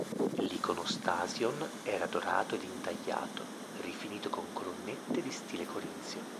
L'Iconostasion era dorato ed intagliato, rifinito con colonnette di stile corinzio.